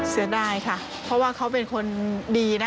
เสียดายค่ะเพราะว่าเขาเป็นคนดีนะ